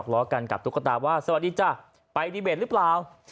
อย่างสวัสดีจ้าวไปดีเบนหรือเปล่า